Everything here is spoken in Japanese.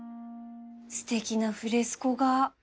すてきなフレスコ画